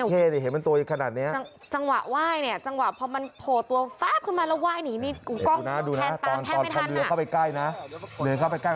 เข้นหน่อยถึงตัวยังขนาดนี้